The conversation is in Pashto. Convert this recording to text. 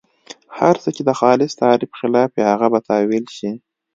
هر څه چې د خالص تعریف خلاف وي هغه به تاویل شي.